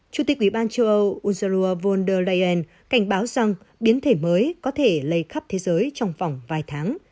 chủ tịch ủy ban châu âu unjaru von der leyen cảnh báo rằng biến thể mới có thể lây khắp thế giới trong vòng vài tháng